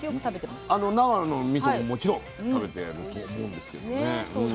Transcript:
あの長野のみそももちろん食べてると思うんですけどね。